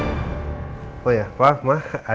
kalau yang lu lakukan apa yang lu lakukan